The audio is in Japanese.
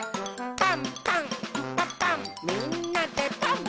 「パンパンんパパンみんなでパン！」